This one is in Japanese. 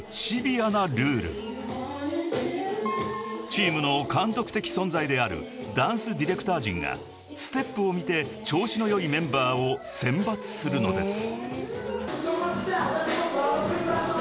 ［チームの監督的存在であるダンスディレクター陣がステップを見て調子の良いメンバーを選抜するのです］